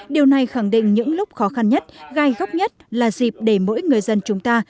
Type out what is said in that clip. điều này khẳng định những lúc khó khăn nhất gai góc nhất là dịp để mỗi người dân chúng ta